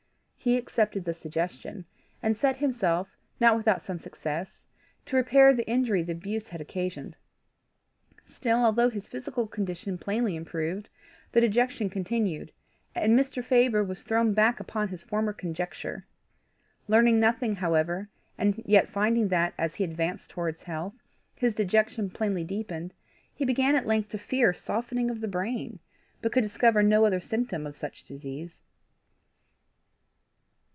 He accepted the suggestion, and set himself, not without some success, to repair the injury the abuse had occasioned. Still, although his physical condition plainly improved, the dejection continued, and Mr. Faber was thrown back upon his former conjecture. Learning nothing, however, and yet finding that, as he advanced towards health, his dejection plainly deepened, he began at length to fear softening of the brain, but could discover no other symptom of such disease.